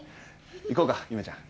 行こうか夢ちゃん。